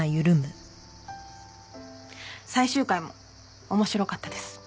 最終回も面白かったです。